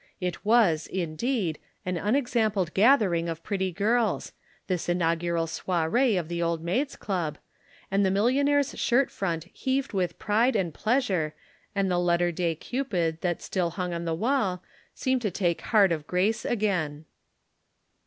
It was, indeed, an unexampled gathering of pretty girls this inaugural soirée of the Old Maids' Club, and the millionaire's shirt front heaved with pride and pleasure and the Letter Day Cupid that still hung on the wall seemed to take heart of grace again.